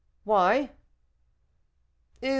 "Why?" "Is M.